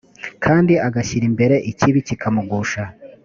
kandi agashyira imbere ikibi kikamugusha